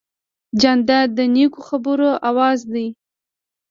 جانداد د نیکو خبرو آواز دی.